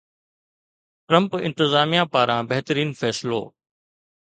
Trump انتظاميه پاران بهترين فيصلو